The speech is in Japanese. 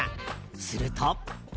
すると。